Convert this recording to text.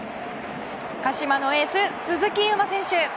鹿島のエース、鈴木優磨選手。